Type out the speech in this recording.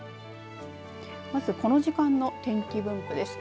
まずこの時間の天気分布です。